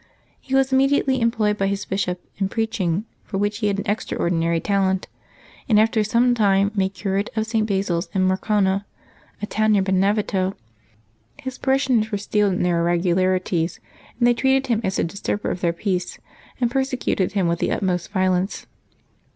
He was immediately employed by his bishop in preaching, for which he had an extraordinary talent, and, after some time, made curate of St. Basil's in Morcona, a town near Benevento. His parishioners were steeled in their irregu larities, and they treated him as a disturber of their peace, and persecuted him with the utmost violence.